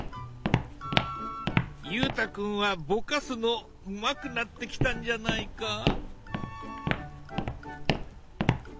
裕太君はぼかすのうまくなってきたんじゃないか。